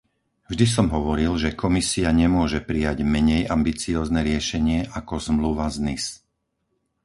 Vždy som hovoril, že Komisia nemôže prijať menej ambiciózne riešenie ako Zmluva z Nice.